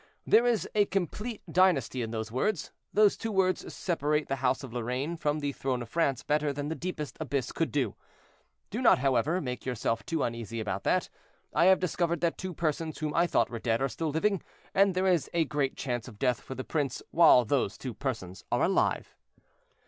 "There is a complete dynasty in those words; those two words separate the house of Lorraine from the throne of France better than the deepest abyss could do. "Do not, however, make yourself too uneasy about that. I have discovered that two persons whom I thought were dead are still living, and there is a great chance of death for the prince while those two persons are alive.